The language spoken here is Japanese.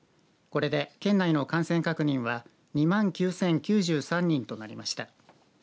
これで県内の感染確認は２万９０９３人となりました。